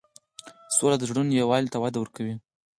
سوله د زړونو یووالی ته وده ورکوي.